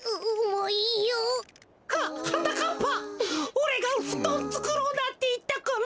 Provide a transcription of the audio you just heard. おれがふとんつくろうなんていったから。